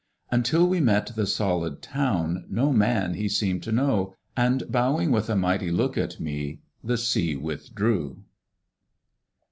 Until we met the solid town, No man he seemed to know; And bowing with a mighty look At me, the sea withdrew.